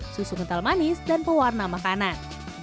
susu kental manis dan pewarna makanan